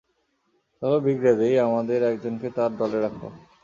চলো বিগড়ে দেই, আমাদের একজনকে তার দলে রাখো।